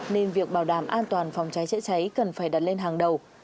nên việc bảo đảm an toàn phòng cháy chữa cháy cần phải đặt lên hàng đầu